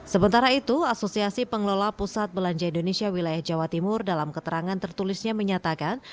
sementara itu asosiasi pengelola pusat belanja indonesia wilayah jawa timur dalam keterangan tertulisnya menyatakan